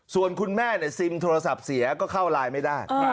ส่วนคุณแม่ซิมโทรศัพท์เสียก็เข้าไลน์ไม่ได้